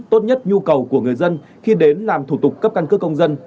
tốt nhất nhu cầu của người dân khi đến làm thủ tục cấp căn cước công dân